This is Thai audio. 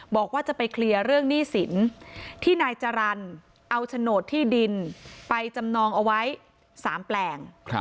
บอกว่าจะไปเคลียร์เรื่องหนี้สินที่นายจรรย์เอาโฉนดที่ดินไปจำนองเอาไว้๓แปลง